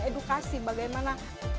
di edukasi bagaimana